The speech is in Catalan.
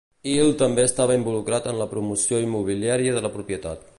Hill també estava involucrat en la promoció immobiliària de la propietat.